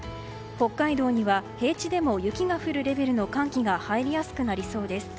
北海道には平地でも雪が降るレベルの寒気が入りやすくなりそうです。